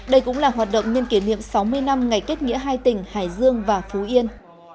đây cũng là hoạt động nhân kỷ niệm sáu mươi năm ngày kết nghĩa hai tỉnh hải dương và phú yên